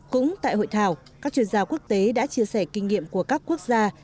cũng tại hội thảo các chuyên gia quốc tế đã chia sẻ kinh nghiệm của các quốc gia